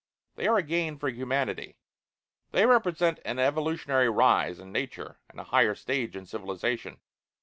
They are a gain for humanity. They represent an evolutionary rise in Nature and a higher stage in civilization.